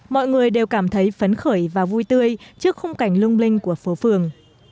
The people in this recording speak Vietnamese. mọi người đều cảm thấy phấn khởi và vui tươi trước khung cảnh lung linh của phố phường